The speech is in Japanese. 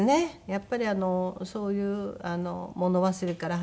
やっぱりそういう物忘れから始まって。